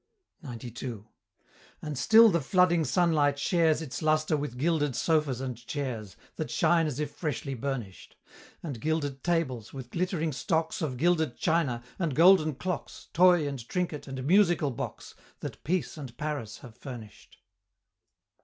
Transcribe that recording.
CCXCII. And still the flooding sunlight shares Its lustre with gilded sofas and chairs, That shine as if freshly burnish'd And gilded tables, with glittering stocks Of gilded china, and golden clocks, Toy, and trinket, and musical box, That Peace and Paris have furnish'd.